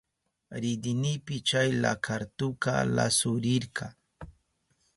Ridinipi chay lakartuka lasurirka.